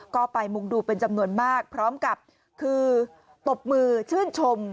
ก็ไปมุงดูเป็นจำนวนมากพร้อมกับคือตบมือชื่นชม